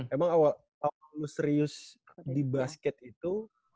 emang awal lu serius di basket itu